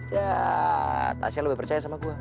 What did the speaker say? ya tasya lebih percaya sama gue